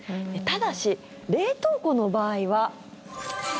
ただし、冷凍庫の場合は。